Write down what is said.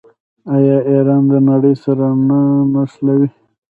آیا ایران د نړۍ سره نه نښلوي؟